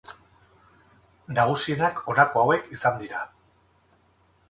Nagusienak honako hauek izan dira.